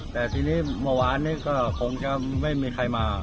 แต่ที่นี่มะวานก็คงจะไม่มีใครมา